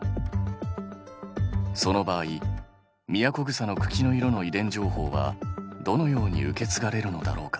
その場合ミヤコグサの茎の色の遺伝情報はどのように受けつがれるのだろうか？